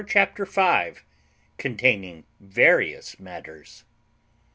CHAPTER FIVE CONTAINING VARIOUS MATTERS.